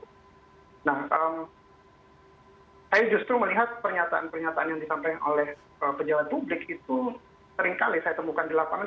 nah saya justru melihat pernyataan pernyataan yang disampaikan oleh pejabat publik itu seringkali saya temukan di lapangan